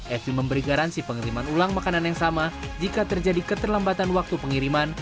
evi memberi garansi pengiriman ulang makanan yang sama jika terjadi keterlambatan waktu pengiriman